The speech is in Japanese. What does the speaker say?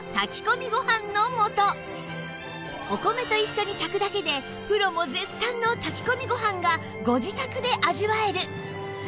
お米と一緒に炊くだけでプロも絶賛の炊き込みご飯がご自宅で味わえる！